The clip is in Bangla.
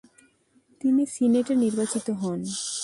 তিনি সিনেটে নির্বাচিত হন।